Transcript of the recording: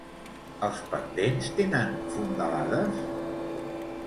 Els pendents tenen fondalades?